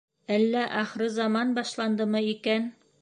— Әллә ахрызаман башландымы икән?!